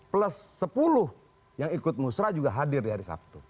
plus sepuluh yang ikut musrah juga hadir di hari sabtu